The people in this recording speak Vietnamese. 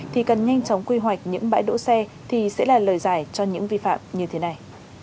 thì cần nhanh chóng quy hoạch những bãi đỗ xe thì sẽ là lời giải cho những vi phạm như thế này